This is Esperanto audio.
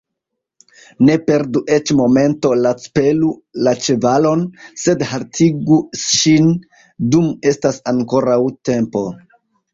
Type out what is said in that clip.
Ne perdu eĉ momenton, lacpelu la ĉevalon, sed haltigu ŝin, dum estas ankoraŭ tempo!